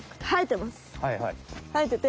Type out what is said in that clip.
はい。